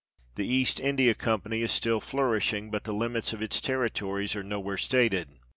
The East India Company is still flourish ing, but the limits of its territories are nowhere stated.